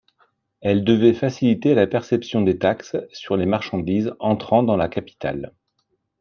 Elle devait faciliter la perception des taxes sur les marchandises entrant dans la capitale.